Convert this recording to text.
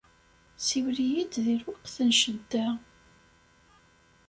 Siwel-iyi-d di lweqt n ccedda.